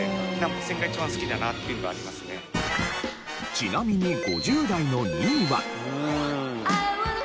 ちなみに５０代の２位は。